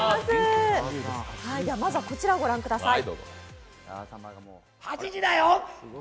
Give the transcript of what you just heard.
こちらをご覧ください。